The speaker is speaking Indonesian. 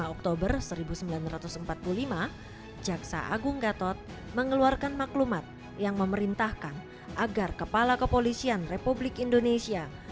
lima oktober seribu sembilan ratus empat puluh lima jaksa agung gatot mengeluarkan maklumat yang memerintahkan agar kepala kepolisian republik indonesia